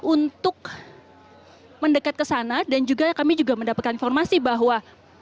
untuk mendekat ke sana dan juga kami juga mendapatkan informasi bahwa